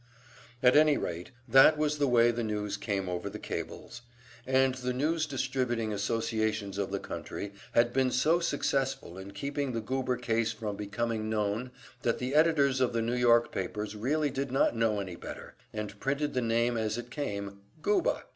At any rate, that was the way the news came over the cables, and the news distributing associations of the country had been so successful in keeping the Goober case from becoming known that the editors of the New York papers really did not know any better, and printed the name as it came, "Guba!"